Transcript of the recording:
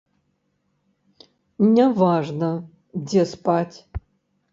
Не важна, дзе спаць.